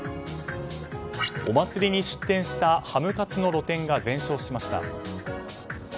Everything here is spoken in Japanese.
お祭りに出店したハムカツの露店が全焼しました。